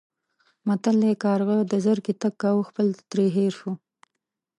متل دی: کارغه د زرکې تګ کاوه خپل ترې هېر شو.